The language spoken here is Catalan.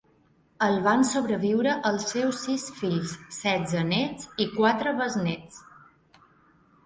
El van sobreviure els seus sis fills, setze nets i quatre besnéts.